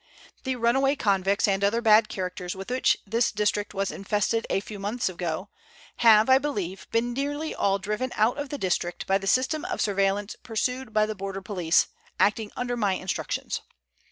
The runaway convicts and other bad characters with which this district was infested a few months ago, have, I believe, been nearly all driven out of the district by the system of surveillance pursued by the border police, acting under my instructions.